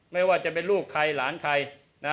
ไม่ว่าจะเป็นลูกใครหลานใครนะ